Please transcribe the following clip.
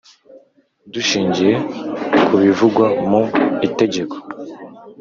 Dushingiye ku bivugwa mu Itegeko.